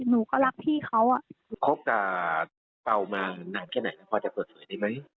หนูก็รักพี่เขาอ่ะคบกับเปล่ามานานแค่ไหนแล้วพอจะเปิดเผยได้ไหม